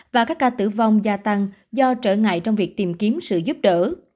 và các ca tử vong gia tăng do trở ngại trong việc tìm kiếm sự giúp đỡ